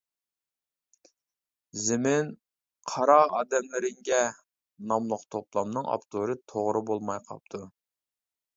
«زېمىن، قارا ئادەملىرىڭگە» ناملىق توپلامنىڭ ئاپتورى توغرا بولماي قاپتۇ.